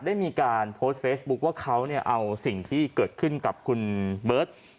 ได้มีการโพสต์เฟซบุ๊คว่าเขาเอาสิ่งที่เกิดขึ้นกับคุณเบิร์ต